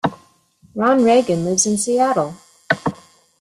Ron Reagan lives in Seattle.